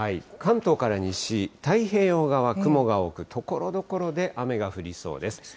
関東から西、太平洋側、雲が多く、ところどころで雨が降りそうです。